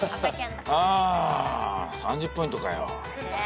あ３０ポイントかよ。